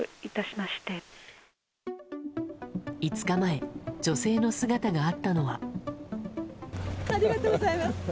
５日前女性の姿があったのは。